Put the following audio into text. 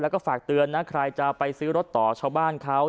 แล้วก็ฝากเตือนนะใครจะไปซื้อรถต่อชาวบ้านเขา